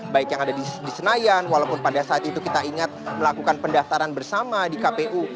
baik yang ada di senayan walaupun pada saat itu kita ingat melakukan pendaftaran bersama di kpu